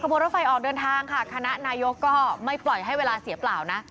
บนรถไฟออกเดินทางค่ะคณะนายกก็ไม่ปล่อยให้เวลาเสียเปล่านะ